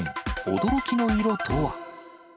驚きの色とは。